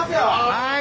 はい！